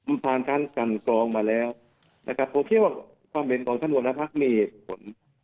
มันผ่านการสรรคลองมาแล้วผมเชื่อว่าความเห็นของท่านหัวหน้าพักมีเหตุผล